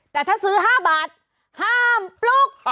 แต่ถ้าซื้อ๕บาทห้ามปลุก